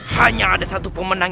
hanya ada satu pemenang